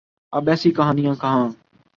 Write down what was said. اب ایسی کہانیاں کہاں۔